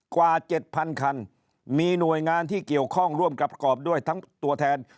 กว่า๗๐๐คันมีหน่วยงานที่เกี่ยวข้องร่วมกับกรอบด้วยทั้งตัวแทน